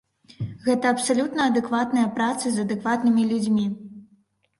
Гэта абсалютна адэкватная праца з адэкватнымі людзьмі.